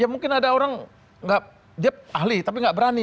ya mungkin ada orang dia ahli tapi nggak berani